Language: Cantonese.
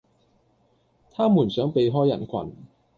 他們想避開人群